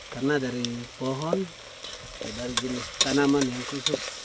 karena dari pohon dari jenis tanaman yang susut